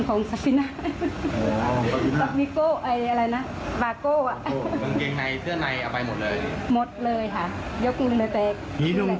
โอ้โห